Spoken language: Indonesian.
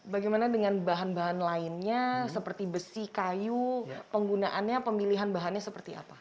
bagaimana dengan bahan bahan lainnya seperti besi kayu penggunaannya pemilihan bahannya seperti apa